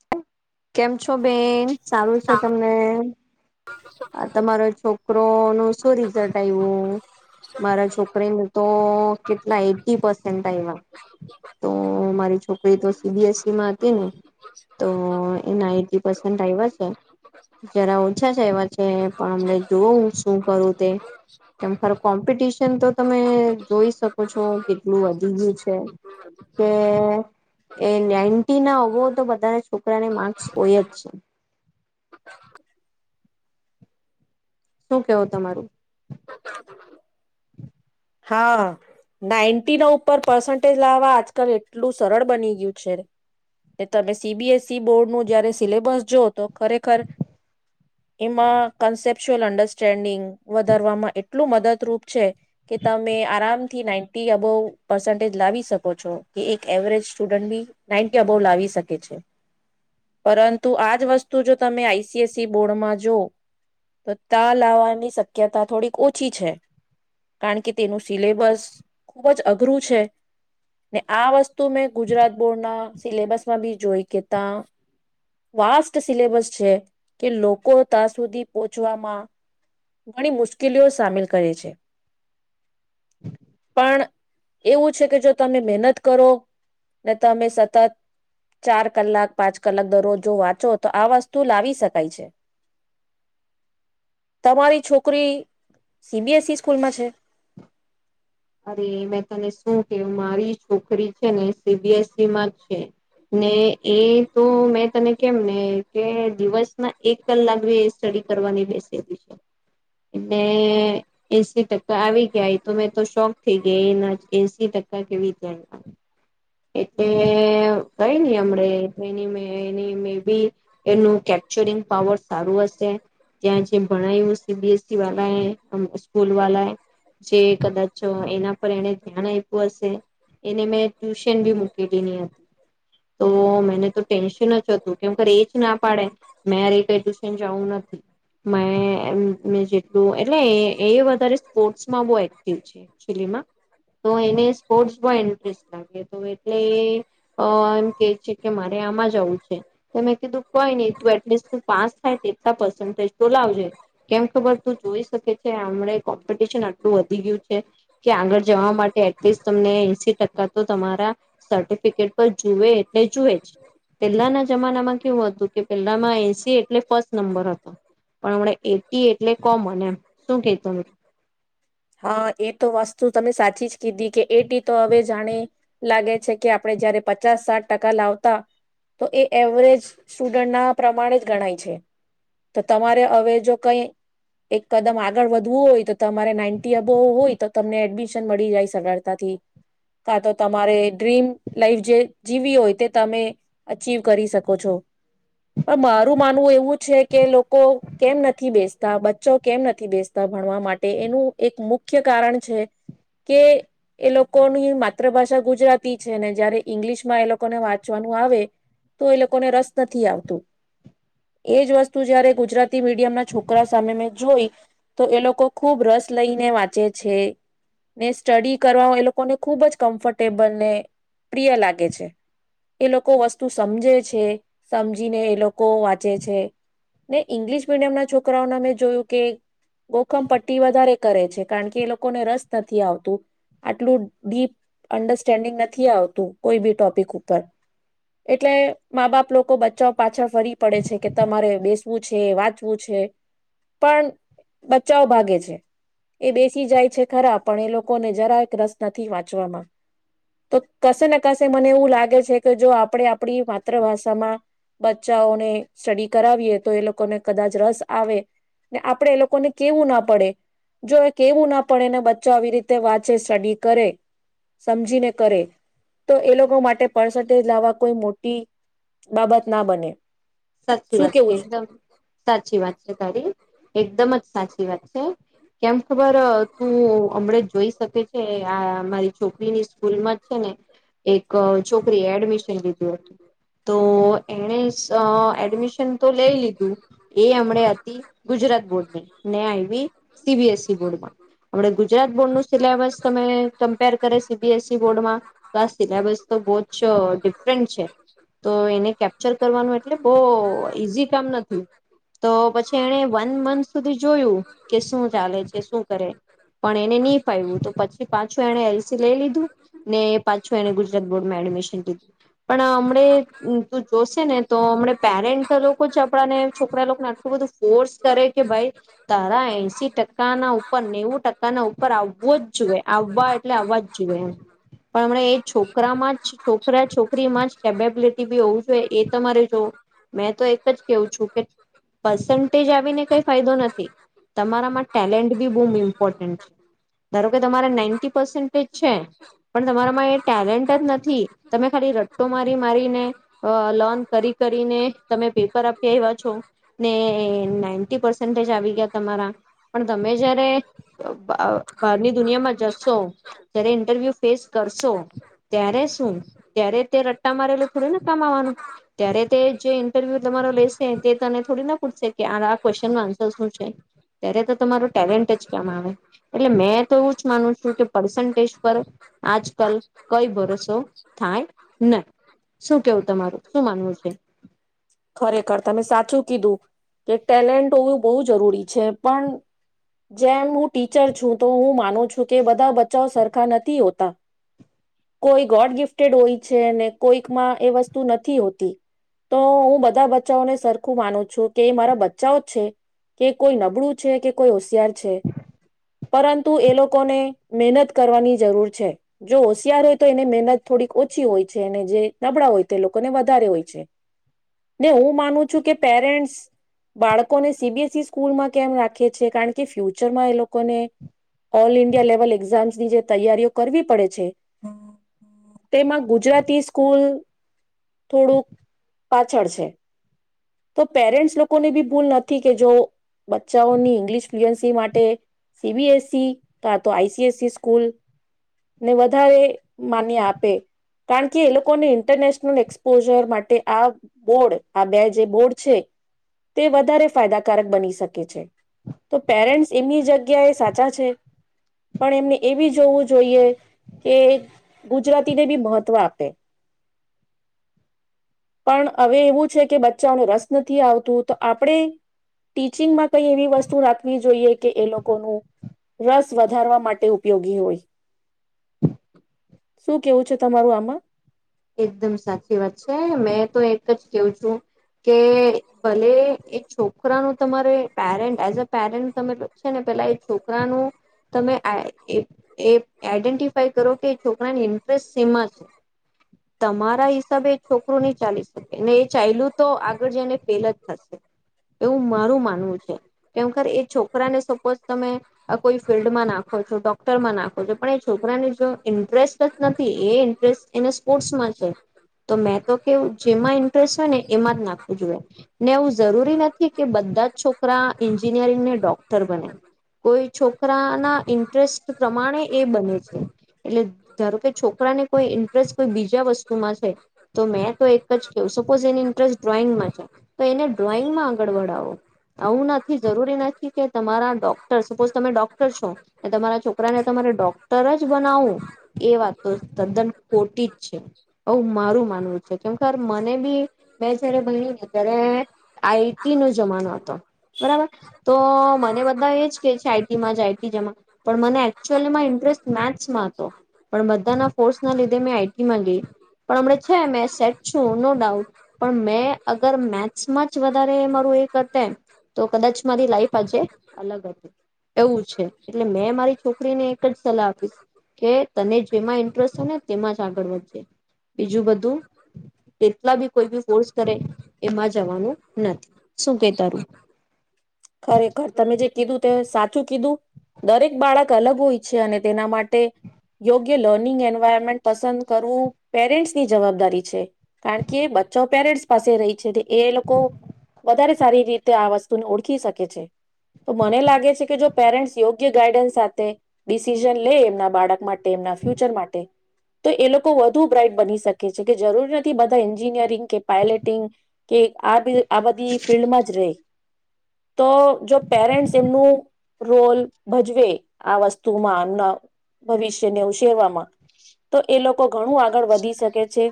[inaudible] કેમ છો બેન સારું છે તમને આ તમારો છોકરો નું શું રિઝલ્ટ આવ્યું મારા છોક કરીને તો કેટલા એટી પર્સેન્ટ આયવા. તો મારી છોકરી તો સી બી એસ સી માં હતી ને તો નાઇન્ટી પસેન્ટ આવ્યા છે જરા ઓછા જ આવ્યા છે પણ અમને જોવ શું કરું તે કેમર કોમ્પિટિશન તો તમે જોઈ શકો છો કેટલું વધી ગયું છે. કે એ નાઇન્ટી ના હોવો તો બધાના છોકરાને માર્ક્સ હોય જ. શું કેવો તમારું. હા નાઈન્ટી ના ઉપર પર્સન્ટેજ લાવવા આજકાલ એટલું સરળ બની ગયું છે તમે સી બી એસ બોર્ડ નું જયારે સિલેબસ જો તો ખરેખર એમાં કન્સેપટ્યલ અન્ડરસ્ટેન્ડિંગ ધારવામાં એટલું મદદરૂપ છે કે તમે આરામથી નાઈન્ટી આબો પર્સન્ટેજ લાવી શકો છો કે એક એવરેજ સ્ટુડન્ટ બી નાઈન્ટી આબો લાવી શકે છે પરંતુ આજ વસ્તુ જો તમે આઈ સી એસ સી બોર્ડમાં જો તો ત લાવવાની શક શક્યતા થોડીક ઓછી છે કારણ કે તેનું સિલેબસ ખુબ જ અઘરું છે ને આ વસ્તુ મેં ગુજરાત બોર્ડ ના સિલેબસમાં બી જોઈ કેતા વાસ્ટ સિલેબસ છે કે લોકો ત્યાં સુધી પહોચવામાં ઘણી મુશ્કેલીઓ સામેલ કરે છે પણ એવું છે કે જો તમે મહેનત કરો ને તમે સતત ચાર કલાક પાંચ કલાક દરરોજ જો વાંચો તો આ વસ્તુ લાવી શકાય છે તમારી છોકરી સી બી એ સી સ્કૂલમાં છે. અરે મે તને શું કે મારી છોકરી છે ને સી બી એસ સી માં છે ને એ તો મે તને કેમને કે દિવસ ના એક કલાક બી સ્ટડી કરવાની બેસેલી છે એટલે એ [unintelligible] આવી ગયાાય તો મેં તો શોખ થઈ ગઈ અને એસી ટકા કેવી રીતે આવ્યા એટલે કઈ ની અમને એની મે એની મેં બી એનું કેપચરિંગ પાવર સારું હશે ત્યાં જે ભણાયું સી બી એસ સી વાળા સ્કૂલ વા જે કદાચ કદાચ એના પર એને ધ્યાન આપવ્યું હશે એને મેં ટ્યુશન બી મુકેલીની હતી તો મેને તો ટેન્શન જ હતું કેમ એજ ના પાડે મે ર કઈ ટ્યુશન જવું નથી મે મે જેટલું એટલે એ વ તારે સ્પોર્ટમાં બો છે [unintelligible] માં તો એને સ્પોર્ટ બો ઇન્ટરેસ્ટ લાગે તો એટલે આ એમ કે છે કે મારે આમાં જવું છે તો મેં કીધું કઈ નહી તું એટલીસ્ટ પાસ થાય તેટલા પસન્ટેજ તો લાવજે કેમ ખબર તું જોઈ શકે છે [unintelligible] કો પટીશન આ લુ વધી ગયું કે આગળ જવા માટે એટલીસ્ટ તમને એસી ટકા તો તમારા સર્ટિફિકેટ પર જુવે લેચુજ, પેલા ના જમાનામાં કેવું હતું કે પેલામાં એનસી એટલે ફર્સ્ટ નંબર હતો, પણ હમ એટી એટલે કોમન એમ, શું કેતું હા એ તો વસ્તુ તમે સાચી જ કીધી કે એટી તો હવે જાણે, લાગે કે આપણે જયારે પચાસ સાત ટકા લાવતા, તો એ એવરેજ સ્ટુડન્ટ ના પ્રમાણે જ ગણાય છે, તો તમારે હવે જો કઈ એક કદમ આગળ વધવું હોય તો તમારે નાઈટી અબો હોય તો તમને એડમિશન મળી જાય સરળતાથી, કા તો તમારે ડ્રીમ લાઈફ જે જીવી હોય તે તમે અચવ કરી શકો છો, પણ મારું માનવું એવું છે કે લોકો કેમ નથી બ્ચો કેમ નથી બેસતા ભણવા માટે એનું એક મુખ્ય કારણ છે કે એ લોકોની માતૃભાષા ગુજરાતી છે, ને જયારે ઈંગ્લિશ માં એ લોકોને વાંચવાનું આવે, તો એ લોકોને રસ નથી આવતું, એજ વસ્તુ જયારે ગુજરાતી મીડિયમના છોકરા સામે મે જોઈ, તો એ લોકો ખૂબ રસ લઈને વાંચે છે, ને સ્ટડી કરવા એ લોકોને ખુબ જ કમ્ફર્ટેબલ ને પ્રિય લાગે છે, એ લોકો વસ્તુ સમજે છે સમજીને એ લોકો વાંચે છે, ને ઇંગ્લિશ મીડિયમ ના છોકરા છોકરાઓન અમે જોયું કે, ગોખમ પટ્ટી વધારે કરે છે કારણ કે એ લોકોને રસ નથી આવતું, આટલું ડીપ અન્ડરસ્ટેન્ડિંગ નથી આવતું કોઈ બી ટોપિક ઉપર, એટલે મા બાપ લોકો બચ્ચા પાછળ ફરી પડે છે કે તમારે બેસવું છે વાંચવું છે. પણ બચ્ચાઓ ભાગે છે, એ બેસી જાય છે ખરા પણ એ લોકોને જરાય રસ નથી વાંચવામાં, તો કશેને કશે મને એવું લાગે છે કે જો આપણેે આપડી માતૃભાષામાં, બચ્ચાઓને સ્ટડી કરાવીએ તો એ લોકોને કદાચ રસ આવે, ને આપણેે એ લોકોને કેવું ના પડે, જો એ કેવું ના પડે અને બચ્ચો આવી રીતે વાંચે સ્ટડી કરે, સમજીને કરે, તો એ લોકો માટે પર્સેજ લાવવા કોઈ મોટી બાબત ના બને. સાચી શું વાત છે કેવું એકદમ સાચી વાત છે. તારી. એકદમ જ સાચી વાત છે, કેમ ખબર તું હમણાં જોઈ શકે છે આ મારી છોકરીની સ્કૂલમાં જ છે ને. એક છોકરીએ એડમિશન લીધું હતું. તો એને અ એડમિશન તો લઈ લીધું, એ હમણે હતી ગુજરાત બોર્ડની ને આવી સી બી એસ ઇ બોર્ડમાં. આપડ ગુજરાત બોર્ડ ન સિલેબસ તમે કમ્પેર કરે સી બી એસ ઇ બોર્ડમાં, તો આ સિલેબસ તો બહુ જ ડિફરન્ટ છે તો એને કેપ્ચર કરવાનું એટલે ઓ ઈઝી કામ નથી, તો પછી એણે વન મંથ સુધી જોયું, કે શું ચાલે છે શું કરે પણ એને નહી ફાવું તો, પછી પાછું એણે એલસી લઈ લીધું, ને પાછું એને ગુજરાત બોર્ડમાં એડમિશન લીધું, પણ હમ તું જોશે ને તો હમ પેરેન્ટ લોકો જ આપડાને છોકરા લોકોને આટલું બધું ફોર્સ કરે કે ભાઈ, તારા એસી ટકા ના ઉપર નેવું ટકા ના ઉપર આવવો જ જોઈએ આવવા એટલે આવવા જુએ, પણ હમણા એ છોકરામાં જ છો છોકરા છોકરીમાં જ કેબેબિલિટી બી હોવું જોઈએ એ તમારે જો મેં તો એક જ કેવું છું કે, પસન્ટેજ આવીને કઈ ફાયદો નથી, તમારામાં ટેલેન્ટ બી બહુ ઇમ્પોર્ટન્ટ છે, ધારો કે તમારે નાઈન્તી છે, પણ તમારામાં ટેલેન્ટ નથી, તમે ખાલી તો મારી મારીને, લોન કરી કરીને, તમે પેપર આપી આવ્યા છો, ને નાઈન્ટી પસેન્ટેજ આવી ગયા, તમારા પણ તમે જયારે બહારની દુનિયામાં જશો જય્યારે ઇન્ટરવ્યુ ફેસ કરશો, ત્યારે શું ત્યારે તે રટ્ટા મારેલો થોડને કામવાનું. ત્યારે તે જે ઇન્ટરવ્યુ તમારો લેશે તે તને થોડી ના પૂછશે કે આ આ ક્વેશ્ચન નો આન્સર શું છે, ત્યારે તો તમારો ટેલેન્ટ જ ક્યામ આવે એટલે મેં તો એવું જ માનું છું કે પર્સન્ટેજ પર આજકાલ કઈ ભરોસો થાય નહી શું કેવું તમારું? શું માનવું છે? ખરેખર તમે સાચું કીધું. કે ટેલેન્ટ હોવું બહુ જરૂરી છે પણ જેમ હું ટીચર છું તો હું માનું છું કે બધા બચ્ચાઓ સરખા નથી હોતા. કોઈ ગોડ ગિફ્ટેડ હોય છે ને કોઈકમાં એ વસ્તુ નથી હોતી, તો હું બધા બચ્ચાઓને સરખું માનું છું કે એ મારા બચ્ચાઓ જ છે, કે કોઈ નબળું છે કે કોઈ હોશિયાર છે, પરંતુ એ લોકોને મહેનત કરવાની જરૂર છે, જો ત્યારે તો એને મહેનત થોડીક ઓછી હોય છે અને જે નબળા હોય તે લોકોને વધારે હોય છે ને હું માનું છું કે પેરેન્ટ્સ બાળકોને સી બી એસ ઇ સ્કૂલમાં કેમ રાખે છે કારણ કે ફ્યુચરમાં એ લોકોને ઓલ ઇન્ડિયા લેવલ એક્ઝામ્સની જે તૈયારીઓ કરવી પડે છે તેમાં ગુજરાતી સ્કૂલ થોડુંક પાછળ છે. તો પેરેન્ટ્સ લોકોને બી ભૂલ નથી કે, જો બચ્ચાઓની ઇંગ્લિશ ફ્લુએન્સી માટે સી બી એસ ઇ કા તો I C S C school ને વધારે માન્ય આપે કારણ કે, એ લોકોને ઇન્ટરનેશનલ એક્સપોજર માટે આ બોર્ડ આ બે તે બોર્ડ છે તે વધારે ફાયદાકાર બની શકે છે. તો પેરેન્ટ્સ એમની જગ્યાએ સાચા છે પણ એમને એ બી જોવું જોઈએ કે ગુજરાતીને બી મહત્વ આપે. પણ હવે એવું છે કે ચાઓને રસ નથી આવતું તો આપણે ટીચિંગમાં કઈ એવી વસ્તુ રાખવી જોઈએ કે એ લોકોનું રસ વધારવા માટે ઉપયોગી હોય. શું કેવું છે તમારું આમાં? એકદમ સાચી વાત છે. મેં તો એક એ જ કેવું છું, કે ભલે એ છોકરાનું તમારે પેરેન્ટ એઝ અ પેરેન્ટ તમે છે ને પેલા એ છોકરાનું તમે આ એ એ આઈડેન્ટિ કરો કે, છોકરાની ઇન્ટરેસ્ટ શેમાં છે. તમા રા હિસાબે એ છોકરું નહી ચાલી શકે એ ચાયલું તો આગળ જને ફેલ જ થશે. એવું મારું માનવું છે કેમક એ છોકરાને સપોઝ તમે કોઈ ફિલ્ડમાં નાખો છો, ડોક્ટરમાં નાખો છો પણ એ છોકરાને જો ઇન્ટરેસ્ટ જ નથી એ ઇન્ટરેસ્ટ એને સ્પોર્ટ્સમાં નમસ્કાર છે શું [inaudible] તો મેં તો કે જેમાં ઇન્ટરેસ્ટ હોય ને એમાં જ નાખવું જોઈએ ને એવું જરૂરી નથી કે બધા જ છોકરા એન્જિનિયરિંગને ડોક્ટર બને. કોઈ છોકરા ના ઇન્ટરેસ્ટ પ્રમાણે એ બને છે. એટલે ધારો કે છોકરાને કોઈ ઇન્ટરેસ્ટ બીજા વસ્તુમાં છે તો મેં તો એક કે સપોઝ એની ઇન્ટરેસ્ટ ડ્રોઈંગમાં છે તો એને ડ્રોઈંગમાં [unintelligible] આવું નથી જરૂરી નથી કે તમારા ડોક્ટર સપોસ તમે ડોક છો. તમારા છોકરાને તમારે ડોક્ટર જ બનાવવું એ વાત તો તદ્દન ખોટી છે. આવું મારું માનવું છે કેમ મને બી મે જયારે બની ને ત્યારે આઈ ટી નો જમાનો હતો બરાબર તો મને બધા એ જ છે આઇ ટી માં જા આઇટી જેમાં પણ મને લી માં ઇન્ટરેસ્ટ મેથ્સમાં હતો. પણ બધાના ફોર્સના લીધે મેં આ મન ગયું પણ હમને છે મે સેટ છું નો ડાઉટ. પણ મેં અગર મેથ્સમાં જ વધારે મારું એ કર એમ તો કદાચ મારી લાઈફ આજે અલગ હતી એવું છે. એટલે મેં મારી છોકરીને એક જ સલાહ આપીશ કે તને જેમાં ઇન્ટરેસ્ટ હો ને તેમાં આગળ વધજે. બીજું બધું કેટલા બી કોઈ બી ફોર્સ કરે એમાં જવાનું નથી. શું કે શી તારું ત ખરેખર તમે જે કીધું તે સાચું કીધું. દરેક બાળક અલગ હોય છે અને તેના માટે યોગ્ય લર્નિંગ એન્વાયરમેન્ટ પસંદ કરવું પેરેન્ટ્સ ની જવાબદારી છે. કારણ કે બચ્ચા પેરેન્ટ્સ પાસે રહી છે એ લોકો વધારે સારી રીતે આ વસ્તુને ઓળખી શકે. તો મને લાગે છે કે જો પેરેન્ટ યોગ્ય ગાઈડન્સ સાથે ડિસિઝન લે એમના બાળક માટે એમના ફ્યુચર માટે તો એ લોકો વધુ બ્રાઈટ બની શકે છે કે જરૂરી નથી બધા એન્જિનિયરિંગ કે પાયલટિંગ કે આ બ આ બધી ફિલ્ડમાં જ રે. તો જો પેરેન્ટ્સ એમનું રોલ ભજવે આ વસ્તુમાં એમના ભવિષ્યને ઉછેરવામાં તો એ લોક ઘણું આગળ વધી શકે છે.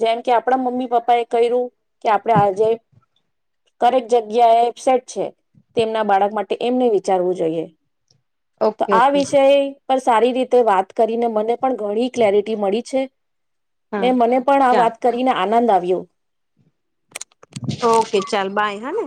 જેમ કે આપણા મમ્મી પપ્પા એ કર્યું. કે આપણેે આજે કરેક જગ્યા એ એબસેટ છે. તેમના બાળક માટે એમને વિચારવું જોઈએ. તો ઓકે આ ઓકે વિષય પણ સારી રીતે વાત કરીને મને પણ ઘણી ક્લેરિટી મળી છે ને હા મને પણ આ ચાલ વાત કરીને આનંદ આવે [inaudible] ઓકે ચાલ બાય હને